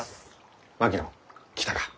槙野来たか。